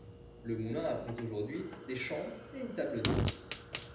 Le moulin abrite aujourd'hui des chambres et une table d'hôtes.